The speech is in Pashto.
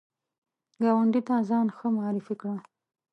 ګاونډي ته ځان ښه معرفي کړه